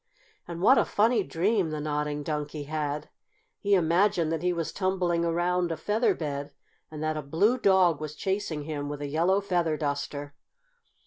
And what a funny dream the Nodding Donkey had! He imagined that he was tumbling around a feather bed and that a Blue Dog was chasing him with a yellow feather duster.